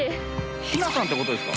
ひなさんって事ですか？